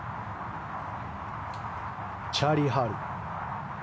チャーリー・ハル。